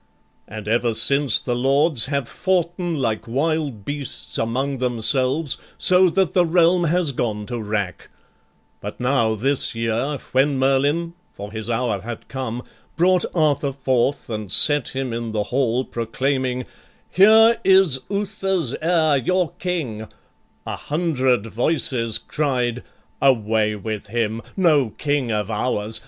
And ever since the lords Have foughten like wild beasts among themselves, So that the realm has gone to wrack: but now, This year, when Merlin (for his hour had come) Brought Arthur forth, and set him in the hall, Proclaiming, 'Here is Uther's heir, your king,' A hundred voices cried, 'Away with him! No king of ours!